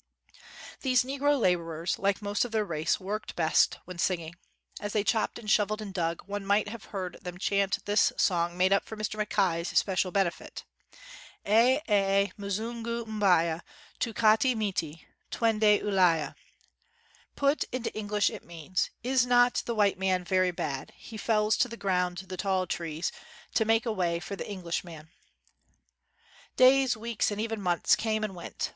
These negro laborers, like most of their race, worked best when singing. As they chopped and shoveled and dug, one might have heard them chant this song made up for Mr. Mackay 's special benefit : "Eh, eh, muzungu mbaya, Tu kati miti, Twende TJlaya." 55 WHITE MAN OF WORK Put into English it means : Is not the white man very bad, He fells to the ground the tall trees, To make a way for the Englishman. Days, weeks, and even months came and went.